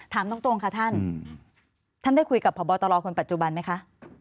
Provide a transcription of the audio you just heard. ถามตรงค่ะท่านท่านได้คุยกับพบตรคนปัจจุบันไหมคะ